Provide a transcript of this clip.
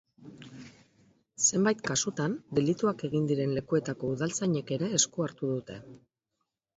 Zenbait kasutan, delituak egin diren lekuetako udaltzainek ere esku hartu dute.